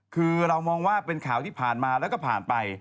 คือเรามองว่าเป็นข่าวที่ผ่านมาแล้วก็ผ่านไป